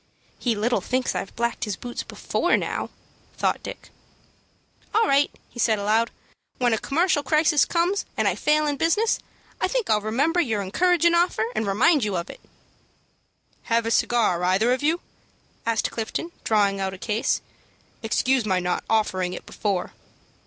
"He little thinks I've blacked his boots before now," thought Dick. "All right," said he, aloud. "When a commercial crisis comes, and I fail in business, I think I'll remember your encouragin' offer, and remind you of it." "Have a cigar either of you?" asked Clifton, drawing out a case. "Excuse my not offering it before."